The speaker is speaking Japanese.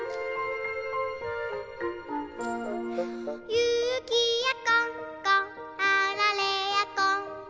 「ゆきやこんこあられやこんこ」